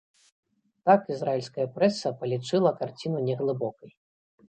Так, ізраільская прэса палічыла карціну неглыбокай.